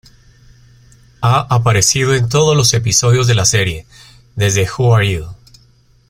Ha aparecido en todos los episodios de la serie, desde "Who are you?